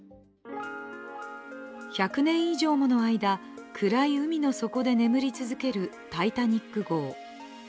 １００年以上もの間、くらい海の底で眠り続けるタイタニック号。